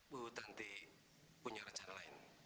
bu tanti punya rencana lain